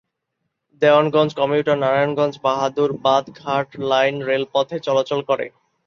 Dewanganj commutator Narayanganj-Bahadurabad ঘাট line রেলপথে চলাচল করে।